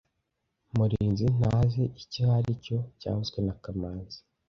Murinzi ntazi icyo aricyo byavuzwe na kamanzi